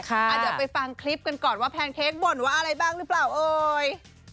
เดี๋ยวไปฟังคลิปกันก่อนว่าแพนเค้กบ่นว่าอะไรบ้างหรือเปล่าเอ่ย